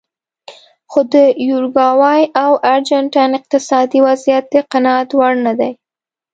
خو د یوروګوای او ارجنټاین اقتصادي وضعیت د قناعت وړ نه دی.